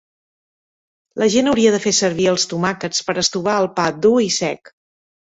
La gent hauria fet servir els tomàquets per estovar el pa dur i sec.